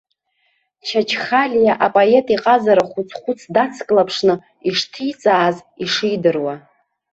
Чачхалиа апоет иҟазара хәыц-хәыц дацклаԥшны ишҭиҵааз, ишидыруа.